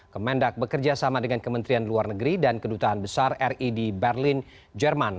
kemendak bekerja sama dengan kementerian luar negeri dan kedutaan besar ri di berlin jerman